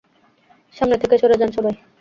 সামনে থেকে সরে যান সবাই!